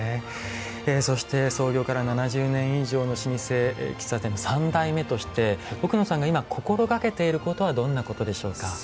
そして創業から７０年以上の老舗喫茶店の三代目として奥野さんが今心がけていることはどんなことでしょうか？